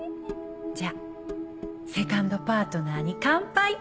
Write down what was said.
じゃあセカンドパートナーに乾杯。